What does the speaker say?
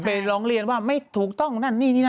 ร้องเรียนว่าไม่ถูกต้องนั่นนี่นี่นั่น